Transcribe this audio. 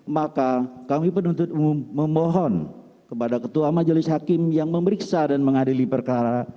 maka kami penuntut umum memohon kepada ketua majelis hakim yang memeriksa dan mengadili perkara